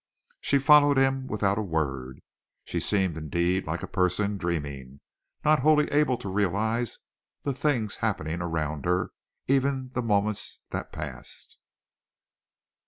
She followed him without a word. She seemed, indeed, like a person dreaming, not wholly able to realize the things happening around her, even the moments that passed.